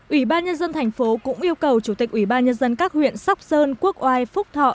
ủy ban nhân dân thành phố cũng yêu cầu chủ tịch ủy ban nhân dân các huyện sóc sơn quốc oai phúc thọ